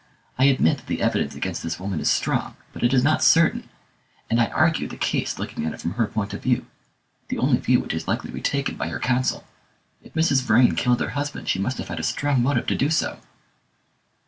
I admit that the evidence against this woman is strong, but it is not certain; and I argue the case looking at it from her point of view the only view which is likely to be taken by her counsel. If Mrs. Vrain killed her husband she must have had a strong motive to do so."